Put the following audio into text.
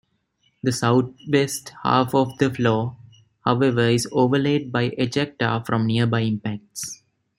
The southwest half of the floor, however, is overlaid by ejecta from nearby impacts.